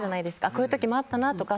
こういう時もあったなとか